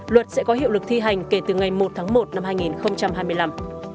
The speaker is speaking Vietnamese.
luật sẽ có hiệu lực thi hành kể từ ngày một tháng một năm hai nghìn hai mươi năm